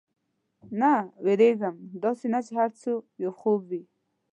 نه، وېرېږم، داسې نه دا هر څه یو خوب وي.